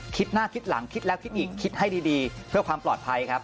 คิดหน้าคิดหลังคิดแล้วคิดอีกคิดให้ดีเพื่อความปลอดภัยครับ